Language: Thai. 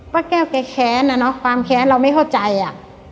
ป้าแก้วแกแค้นอ่ะเนอะความแค้นเราไม่เข้าใจอ่ะ